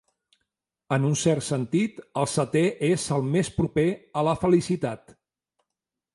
En un cert sentit, el setè és el més proper a la felicitat.